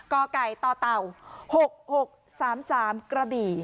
กไก่ต่อเต่า๖๖๓๓กระบี่